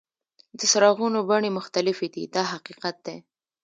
د څراغونو بڼې مختلفې دي دا حقیقت دی.